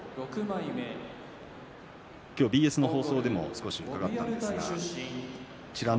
ＢＳの放送でも伺ったんですが美ノ